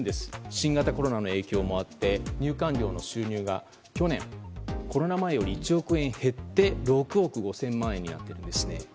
新型コロナの影響もあって入館料の収入が去年、コロナ前より１億円減って６億５０００万円になっているんですね。